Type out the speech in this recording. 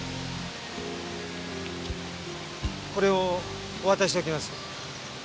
これをお渡ししておきます。